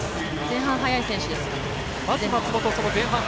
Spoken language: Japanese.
前半、速い選手です。